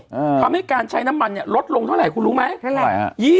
ทำให้การใช้น้ำมันเนี่ยลดลงเท่าไหร่คุณรู้ไหมเท่าไหร่ฮะ